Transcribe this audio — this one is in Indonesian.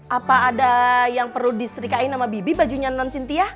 apa ada yang perlu disetrikain sama bibi bajunya non cynthia